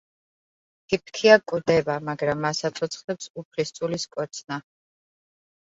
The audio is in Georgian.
ფიფქია კვდება, მაგრამ მას აცოცხლებს უფლისწულის კოცნა.